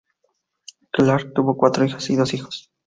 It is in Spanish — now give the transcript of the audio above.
Clark tuvo cuatro hijas y dos hijos.